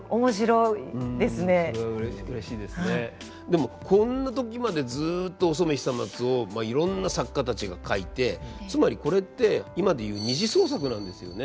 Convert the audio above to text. でもこんな時までずっとお染久松をいろんな作家たちが書いてつまりこれって今で言う「二次創作」なんですよね。